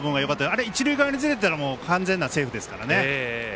あれ、一塁側にずれてたら完全なセーフですからね。